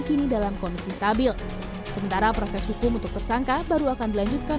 kini dalam kondisi stabil sementara proses hukum untuk tersangka baru akan dilanjutkan